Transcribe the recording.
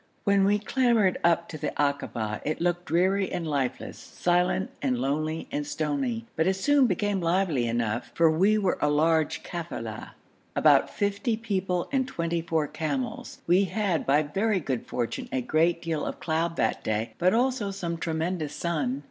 When we clambered up on to the akaba it looked dreary and lifeless, silent and lonely and stony, but it soon became lively enough, for we were a large kafila, about fifty people and twenty four camels. We had by very good fortune a great deal of cloud that day, but also some tremendous sun.